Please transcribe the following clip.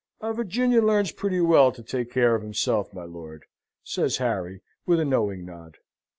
"A Virginian learns pretty well to take care of himself, my lord, says Harry, with a knowing nod.